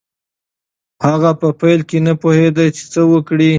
هغه په پیل کې نه پوهېده چې څه وکړي.